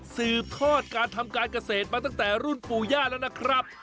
สืบทอดการทำการเกษตรมาตั้งแต่รุ่นปู่ย่าแล้วนะครับ